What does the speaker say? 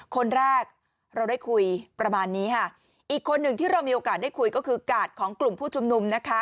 คนแรกเราได้คุยประมาณนี้ค่ะอีกคนหนึ่งที่เรามีโอกาสได้คุยก็คือกาดของกลุ่มผู้ชุมนุมนะคะ